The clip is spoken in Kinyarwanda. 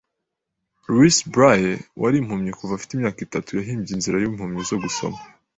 Louis S Braille, wari impumyi kuva afite imyaka itatu, yahimbye inzira impumyi zo gusoma